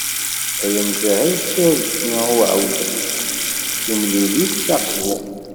Ay amjahed serǧ i uɛudiw, timlilit s Aqbu.